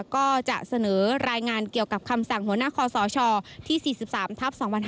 ก็จะเสนอรายงานเกี่ยวกับคำสั่งหัวหน้าคอสชที่๔๓ทับ๒๕๕๙